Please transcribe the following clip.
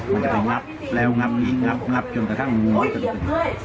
มันจะไปงับแล้วงับนี้งับงับจนแต่ทั้งโอ้ยเหยียบเฮ้ย